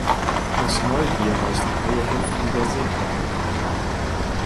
Aus Neugier beißen Haie hin und wieder Seekabel an.